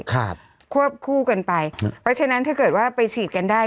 ครับควบคู่กันไปเพราะฉะนั้นถ้าเกิดว่าไปฉีดกันได้